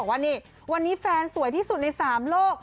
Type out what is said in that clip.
ว่านี่วันนี้แฟนสวยที่สุดใน๓โลก